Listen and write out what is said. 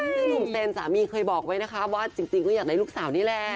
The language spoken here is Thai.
ซึ่งหนุ่มเซนสามีเคยบอกไว้นะคะว่าจริงก็อยากได้ลูกสาวนี่แหละ